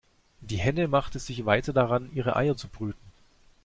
Die Henne machte sich weiter daran, ihre Eier zu brüten.